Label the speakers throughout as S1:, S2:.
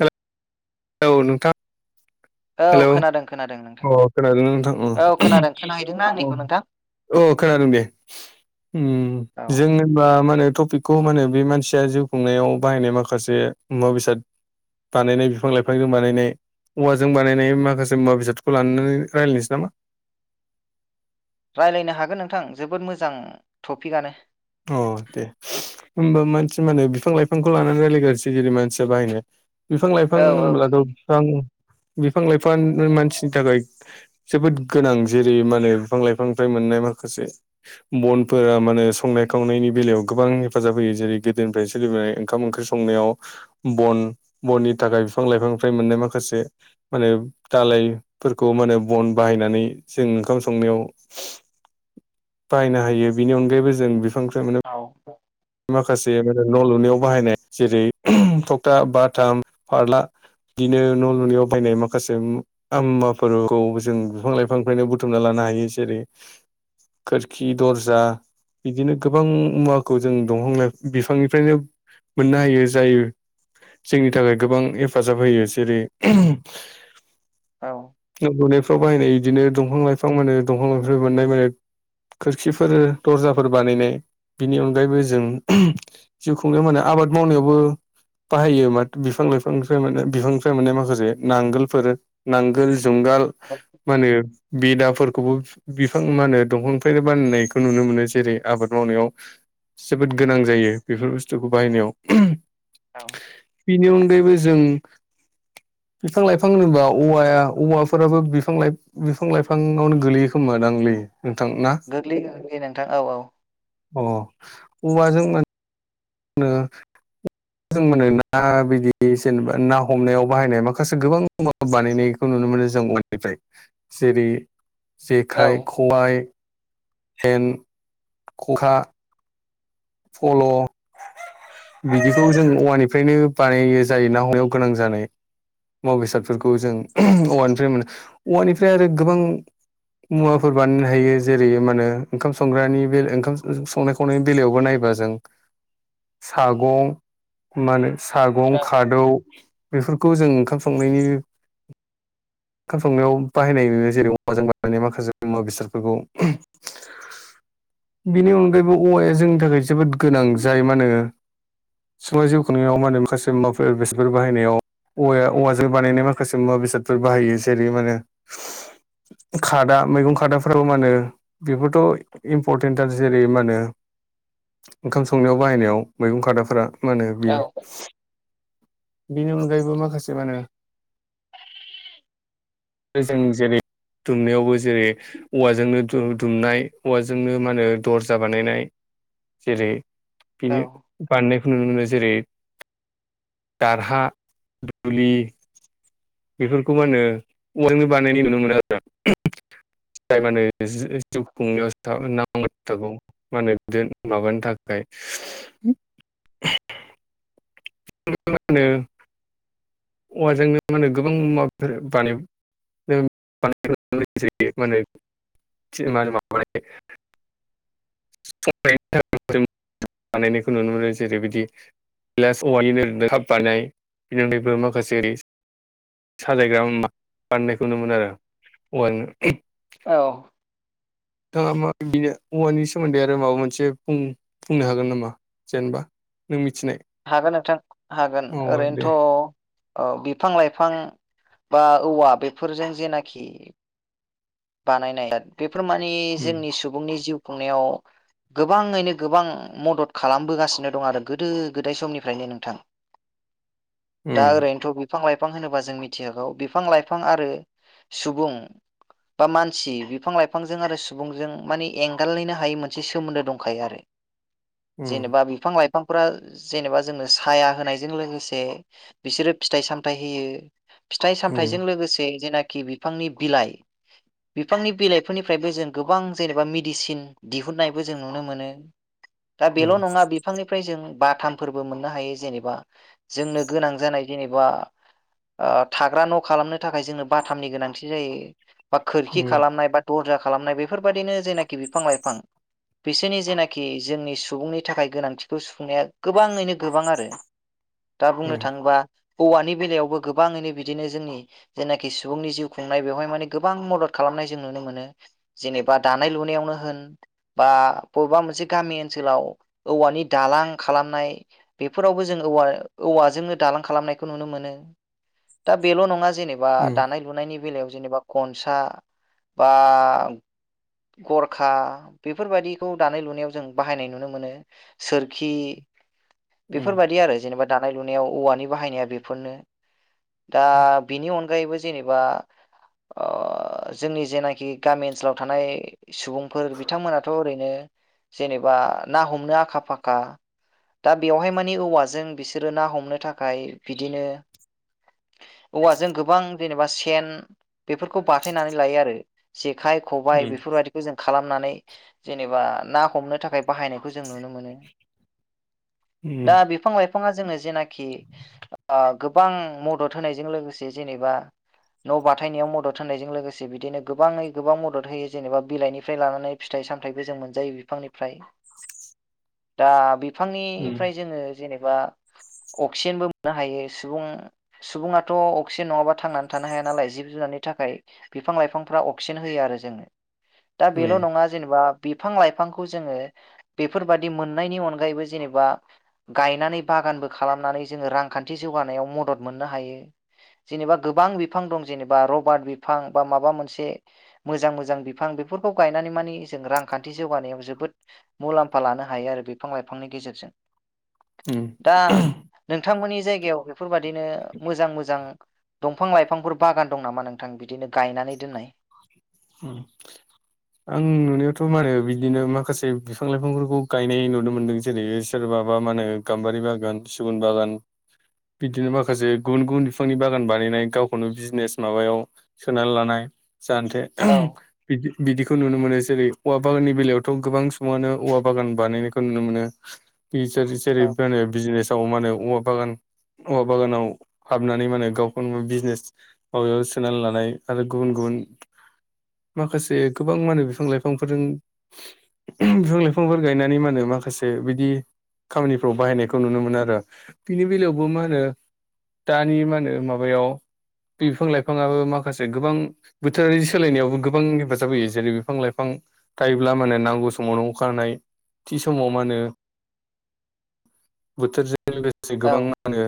S1: हो औ नोंथां
S2: औ
S1: हेलौ
S2: खोनादों खोनादों। नोंथां
S1: अ खोनादों ना नोथां उम
S2: औ खोनादों खोनाहैदोंना आंनिखौ नोंथां
S1: अ अ खोनादों दे
S2: औ
S1: जों होनबा मा होनो टपिक खौ मा होनो बे मानसिया जिउ खुंनायाव बाहायनाय माखासे मुवा बेसाद बानायनाय बिफां लाइफांजों बानायनाय औवा जों बानायनाय माखासे मुवा बेसादखौ लानानै रायलायनोसै नामा?
S2: रायज्लायनो हागोन नोंथां जोबोद मोजां टपिकआनो।
S1: अ दे होमबा मानसि मा होनो बिफां लाइफांखौ लानानै रायल्लायगसै जेरै मानसिया बाहायनो बिफां लाइफां
S2: औ औ
S1: होनोब्लाथ
S2: दिनै
S1: बिफां बिफां लाइफां मानसिनि थाखाय जोबोद गोनां जेरै मा होनो बिफां लाइफांनिफ्राय मोननाय माखासे बन फोरा मानो संनाय खांनायनि बेलायाव गोबां हेफाजाब होयो जेरै गोदोनिफ्राय सोलिबोनाय ओंखाम ओंख्रि संनायाव बन बननि थाखाय बिफां लाइफांनिफ्राय मोननाय माखासे माने दालायफोरखौ माने बन बाहाय बायनानै जों ओंखाम संनायाव बाहायनो हायो बेनि अनगायैबो जों बे
S2: औ
S1: माखासे न' लुनायाव बाहायनाय जेरै थखथा बाथाम फारला बिदिनो न' लुनियाव बायनाय माखासे मुवाफोरखौ जों बिफां लाइफांनिफ्रायनो बुथुमना लानो हायो ज जेरै खोरखि दर्जा बिदिनो गोबां मुवाखौ जों दंफां लाइ बिफांनिफ्रायनो मोननो हायो जाय जोंनि थाखाय गोबां हेफाजाब होयो जेरै
S2: औ
S1: ना गुनायफ्राव बाहायनाय गदिनो दंफां लाइफां मोनो। दंफां लाइफां मोननाय माने खोरखिफोर दर्जाफोर बानायनाय बिनि अन गायैबो जों जिउ खुंनाय माहोनो आबाद मावनायावबो बाहायो माथ बिफां लाइफांनि मोनो बिफांनिफ्राय मोननाय माखासे नांगोलफोर नांगोल जुंगाल
S2: औ
S1: माहोनो बेदाफोर खौबो बिफां मा होनो दंफांनिफ्रायनो बानायनायखौ नुनो मोनो जेरै आबाद मावनायाव जोबोद गोनां जायो बेफोर बुस्थुखौ बाहायनायाव बिनि अनगायैबो जों बिफां- लाइफां होनोबा औवाया औवाफोराबो बिफां लाइफां बिफां लाइफांआवनो गोलैयो खोमा। मोदांलि नोंथां ना
S2: गोग्लैयो गोग्लैयो नोंथां औ औ
S1: अ औवाजो [unintelligible] जों मोनो ना बिदि जेनेबा ना हमनायाव बाहायनाय माखासे गोबां माबा बानायनायखौ नुनो मोनो [unintelligible] जेरै
S2: औ
S1: जेखाइ खबबाय हेन खखा फल' बिदिखौ जों औवानिफ्रायनो बानायो जायो ना हमनायाव गोनां जानाय मुवा बेसादफोरखौ जों औवानिफ्राय मोनो औवानिफ्राय आरो गोबां मुवाफोर बानायनो हायो जेरै मा होनो ओंखाम संग्रानि बे ओंखाम संनाय खावनायनि बेलायावबो नाय बा जों सागं माहोनो सागं खादौ बेफोरखौ जों ओंखाम संनायनि ओंखाम संनायाव बाहायनाय नुयो जेरै औवाजों बानायनाय माखासे मुवा बेसादफोरखौ। बेनि अनगायैबो औवाया जोंनि थाखाय जोबोद गोनां जाय मा होनो समा जिउ खुंनायाव मा होनो माखासे माबाफोर बेसादफोर बाहायनायाव औवाया औवाजों बानायनाय माखासे मुवा बेसादफोर बाहायो जेरै मा होनो खादा मैगं खादाफ्राबो मा होनो बेफोरथ' इम्परटेन्ट आरो जेरै मा होनो ओंखाम संनायाव बाहायनायाव मैगं खादाफोरा मा होनो
S2: औ
S1: बेयो बिनि अनगायैबो माखासे माहोनो आरो जों जेरै दुमनायावबो जेरै औवाजोंनो दु दुमनाय औवाजोंनो मा होनो दर्जा बानायनाय जेरै
S2: औ
S1: बिनो बाननाय नुनो मोनो जेरै दारहा दुलि बेफोरखौ मा होनो वालबो बानायनाय नुनो मोनो आरो ना [unintelligible] माहोनो जिउ खुंनायाव नांबाय थागौ माहोनो दोन माबानो थाखाय माहोनो औवाजोंनो मा होनो गोबां मुवाफोर बानाय [unintelligible] [unintelligible] माहोनो [unintelligible] [unintelligible] बानायनायखौ नुनो मोनो जेरैबायदि गिलास औवानिनो काप बानाय बेनि अनगायैबो [unintelligible] मा माखासे साजायग्रा [unintelligible] नुनो मोनो आरो औवा
S2: औ
S1: नोंथाङा मा बिनि औवानि सोमोन्दै आरो माबा मोनसे बुं बुंनो हागोन नामा जेनबा। नों मि
S2: हागोन नोंथां हागोन
S1: दे
S2: ओरैनोथ' औ बिफां लाइफां बा औवा बेफोरजों जेनाखि बानायनाय बेफोर माने
S1: उम
S2: जोंनि सुबुंनि जिउ खुंनायाव गोबाङैनो गोबां मदद खालामबोगासिनो दं आरो गोदो गोदाय समनिफ्रायनो नोंथां।
S1: [inaudible]
S2: दा
S1: उम
S2: ओरैनथ' [unintelligible] फां लाइफां होनोबा जों मिथिखागौ बिफां लाइफां आरो सुबुं बा मानसि बिफां लाइफांजों आरो सुबुंजों माने एंगारलायनो हायै मोनसे सोमोन्दो दंखायो आरो
S1: उम
S2: जेनेबा बिफां लाइ फांफोरा जेनेबा जोंनो साया होनायजों लोगोसे बिसोरो फिथाइ सामथाइ होयो फिथाइ
S1: उम
S2: सामथाइजों लोगोसे जेनाखि बिफांनि बिलाइ बिफांनि बिलाइफोरनिफ्रायबो जों गोबां जेनेबा मेडिसिन दिहुननायबो जों नुनो मोनो दा बेल'
S1: उम उम
S2: नङा बिफांनिफ्राय जों बा थामफोरबो मोननो हायो जेनेबा जोंनो गोनां जानाय जेनेबा ओ थाग्रा न' खालामनो थाखाय जोंनो बाथामनि गोनांथि जायो बा खोरखि खालामनाय बा दरजा खालामनाय बेफोरबायदिनो जेनाखि बिफां लाइफां बिसोरनि जेनाखि जोंनि सुबुंनि थाखाय गोनांथिखौ सुफुंनाया गोबाङैनो गोबां आरो दा बुंनो थाङोबा औवानि बेलायावबो गोबाङैनो बिदिनो जोंनि जेनाखि सुबुंनि जिउ खुंनाय बेवहाय माने गोबां मदद खालामनाय जों नुनो मोनो जेनेबा दानाय लुनायावनो होन बा बबेबा मोनसे गामि ओनसोलाव औवानि दालां खालामनाय बेफोरावबो जों औवा औवाजों दालां खालामनायखौ नुनो मोनो दा बेल' नङा जेनेबा
S1: उम
S2: दानाय लुनायनि बेलायाव जेनेबा गनसा बा गरखा बेफोरबादिखौ दानाय लुनायाव जों बाहायनाय नुनो मोनो सोर खि
S1: उम
S2: बेफोरबादि आरो जेनेबा दानाय लुनायाव औवानि बाहायनाया बेफोरनो दा बिनि अनगायैबो जेनेबा [unintelligible] जोंनि जेनाखि गामि ओनसोलाव थानाय सुबुंफोर बिथांमोनाथ' ओरैनो जेनेबा ना हमनो आखा फाखा दा बेवहाय माने औवाजों बिसोरो ना हमनो थाखाय बिदिनो औवाजों गोबां जेनेबा सेन बेफोरखौ बाथायनानै लायो आरो जेखाइ ख'बाइ
S1: उम
S2: बेफोरबादिखौ जों खालाम नानै जेनेबा ना हमनो थाखाय बाहायनायखौ जों नुनो मोनो। दा बिफां लाइ फाङा जोंनो जेनाखि आ गोबां मदद होनायजों लोगोसे जेनेबा न' बा थायनायाव मदद होनायजों लोगोसे बिदिनो गोबाङै गोबां मदद होयो जेनेबा बिलाइनिफ्राय लानानै फिथाइ सामथायबो जों मोनजायो बिफांनिफ्राय।
S1: [unintelligible]
S2: दा बिफांनिफ्राय जोङो जेनेबा अक्सिजेनबो [unintelligible] हायो सुबुं सुबुङाथ' अक्सिजेन नङाबा थांनानै थानो हाया नालाय जिब जुनादनि थाखाय बिफां लाइफांफ्रा अक्सेन होयो आरो जोंनो दा बेल'
S1: उम
S2: नङा जेनेबा बिफां लाइफांखौ जोङो बेफोरबादि मोननायनि अनगायैबो जेनेबा गायनानै बाग गानबो खालामनानै जोङो रांखान्थि जौगानायाव मदद मोननो हायो जेनेबा गोबां बिफां दं। जेनेबा रबार्ट बिफां बा माबा मोनसे मोजां मोजां बिफां बेफोरखौ गायनानै माने जों रां खान्थि जौगानायाव जोबोद मुलाम्फा लानो हायो आरो बिफां लाइफांनि गेजेरजों।
S1: उम
S2: दा नोंथांमोननि जायगायाव बेफोरबादिनो मोजां मोजां दंफां लाइफांफोर बागान दं नामा नोंथां बिदिनो गायनानै दोननाय?
S1: उम आं नुनायावथ' मानो बिदिनो माखासे बिफां लाइफांफोरखौ गायनाय नुनो मोनदों जेरैहै सोर बाबा मानो गाम्बारि बागान सिगुन बागान बिदिनो माखासे गुबुन गुबुन बिफांनि बागान बानायनाय गावखौनो बिजनेस माबायाव सोनानै लानाय। जाहान्थे
S2: औ
S1: बिदि बिदिखौ नुनो मोनो जेरै औवा बागाननि बेलायावथ' गोबां समानो औवा बागान बानायनायखौ नुनो मोनो। बि सोर-सोर जेरै
S2: औ
S1: माहोनो बिजनेसाव मानो औवा बागान औवा बागानाव हाबनानै माने गावखौनो बिजनेस माबायाव सोनानै लानाय आरो गुबुन गुबुन माखासे गोबां मा होनो बिफां लाइफांफोरजों बिफां लाइफांफोर गायनानै मा होनो माखासे बिदि खामानिफ्राव बाहायनायखौ नुनो मोनो आरो बिनि बेलायावबो मा होनो दानि मा होनो माबायाव बिफां लाइफांआबो माखासे गोबां बोथोरारि सोलायनायावबो गोबां हेफाजाब होयो जेरै बिफां लाइफां थायोब्ला माने नांगौ समावनो अखा हानाय‌ थि समाव मा होनो बोथोरजों लोगोसे गोबां
S2: औ
S1: मा होनो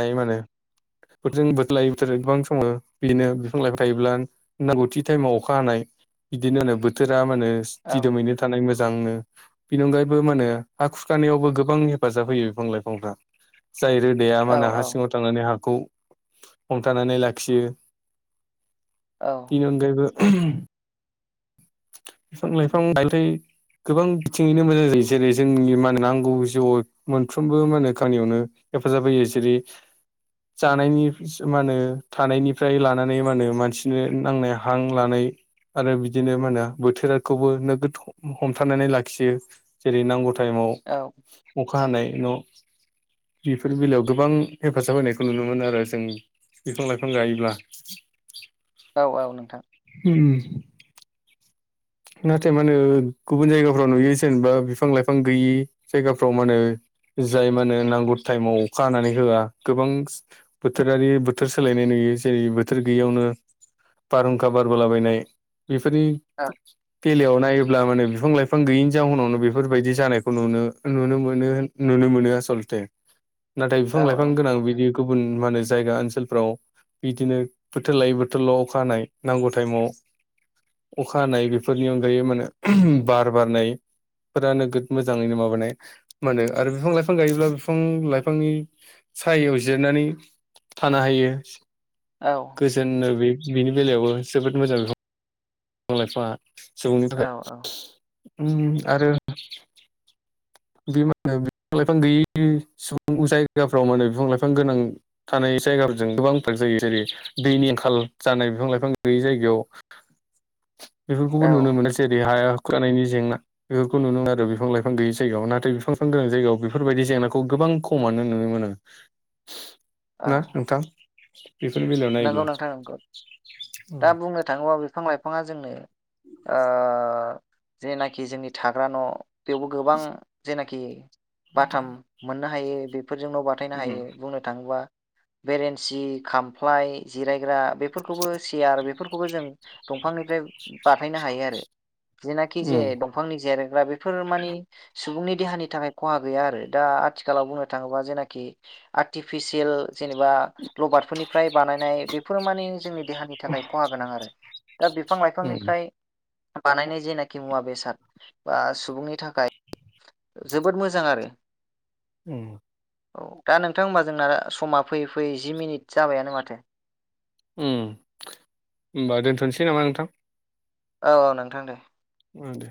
S1: नाय मा होनो बेफोरजों बोथोरलाय बोथोर गोबां समाव बिदिनो बिफां लाइफां थायोब्ला नांगौथि टाइमाव अखा हानाय बिदिनो होनो बोथोरा मा होनो
S2: औ औ
S1: दिदोमैनो थानाय मो जांनो बेनि अनगायैबो माहोनो हा खुरखानायावबो गोबां हेफाजाब होयो बिफां लाइफांफ्रा। जाय रोदाया मा होनो हा सिंङाव थांनानै हाखौ हमथानानै लाखियो
S2: औ
S1: बेनि अनगायैबो बिफां लाइफां गायथाय गोबां बिथिंङैनो मोजां जायो जेरै जोंनि मा मोनो नांगौ जिउआव मोनफ्रोमबो मा होनो गामानियावनो हेफाजाब होयो जेरै जानायनि मा होनो थानायनिफ्राय लानानै मा होनो मानसिनो नांनाय हां लानाय आरो बिदिनो मा होनो बोथोराखौबो नोगोद हमथानानै लाखियो जेरै नांगौ
S2: औ
S1: टाइमाव अखा हानाय न' बेफोर बेलायाव गोबां हेफाजाब होनायखौ नुनो मोनो आरो जों बिफां लाइफां गायोब्ला।
S2: औ औ नोंथां
S1: उम नाथाय मा होनो गुबुन जायगाफ्राव नुयो जेनेबा बिफां लाइफां गैयि जायगाफ्राव मा होनो जाय मा होनो नांगौ टाइमाव अखा हानानै होआ गोबां बोथोरारि बोथोर सोलायनाय नुयो। बेयो जेरै बोथोर गैयैयावनो बारहुंखा बारबोलाबायनाय बेफोरनि
S2: औ
S1: बेलायाव नायोब्ला मा होनो बिफां लाइफां गैयिनि जाउनावनो बेफोरबायदि जानायखौ नुनो नुनो मोनो नुनो नो मोनो आस'लते नाथाय
S2: औ
S1: बिफां लाइफां गोनां बिदिखौबो मा होनो जायगा ओनसोलफ्राव बिदिनो बोथोर लायै बोथोरल' अखा हानाय नांगौ टाइमाव अखा हानाय बेफोरनि अनगायै मा होनो बार बारनाय फोरा नोगोद मोजाङैनो माबानाय मा होनो आरो बिफां लाइफां गायोब्ला बिफां लाइफांनि सायायाव जिरायनानै थानो हायो।
S2: औ
S1: गोजोनो बे बिनि बेलायावबो जोबोद मोजां बिफां लाइफांआ सुबुंनि
S2: औ
S1: थाखाय उम आरो बे मा होनो बिफां लाइफां गैयै सुबुं जायगाफ्राव मा होनो बिफां लाइफां गोनां थानाय जायगाफोरजों गोबां फाराग जायो जेरै दैनि आंखाल जानाय बिफां लाइफां गैयै जायगायाव बेफोरखौबो
S2: औ
S1: नुनो मोनो जेरै हाया खुरखानायनि जेंना बेफोरखौ नुनो मोनो आरो बिफां लाइफां गैयि जायगायाव नाथाय बिफां लायफां गोनां जायगायाव बेफोरबायदि जेंनाखौ गोबां खमानो नुनो मोनो।
S2: औ
S1: ना नोंथां बेफोरनि बेलायाव
S2: नंगौ
S1: नायोब्ला
S2: नोंथां नांगौ दा बुंनो थाङोब्ला बिफां लाइ फांङा जोंनो ओ जेनाखि जोंनि थाग्रा न' बेयावबो गोबां जेनाखि बाथाम मोननो हायो बे फोरजों न' बाथायनो
S1: उम
S2: हायो बुंनो थाङोबा बेरेन्सि, खामफ्लाय, जिराय ग्रा बेफोरखौबो सियार बेफोरखौबो जों दंफांनिफ्राय बानायनो हायो आरो। जेनाखि जे
S1: उम
S2: दंफांनि जिरायग्रा बेफोर माने सुबुंनि देहानि थाखाय खहा गैया आरो दा आथिखालाव बुंनो थाङोबा जेनाखि आर्टिफिसियेल जेनेबा लक फ्राय बानायनाय बेफोरो मानि जोंनि देहानि थाखाय खहा गोनां आरो दा बिफां
S1: उम
S2: लाइफांनिफ्राय बानायनाय जेनाखि मुवा बेसाद बा सुबुंनि थाखाय जोबोद मोजां आरो
S1: उम
S2: औ दा नोंथां होमबा जोंना समा फैयै फैयै जि मिनिट जाबायानो माथो।
S1: उम होमबा दोनथ'नोसै नामा नोंथां
S2: औ औ नोंथां दे
S1: उम दे